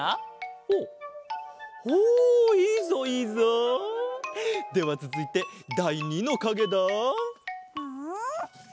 ほうほういいぞいいぞ！ではつづいてだい２のかげだ。